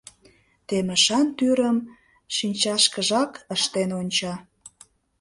Темышан тӱрым шинчашкыжак ыштен онча.